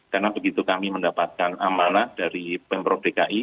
karena begitu kami mendapatkan amalan dari pemerintah dki